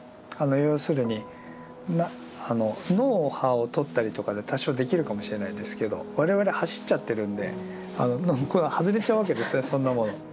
要するに脳波をとったりとかで多少できるかもしれないんですけど我々走っちゃってるんで外れちゃうわけですねそんなもの。